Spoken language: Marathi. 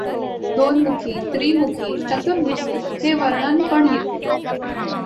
दोन मुखी, त्रिमुखी, चतुर्मुखी हे वर्णनपण येते.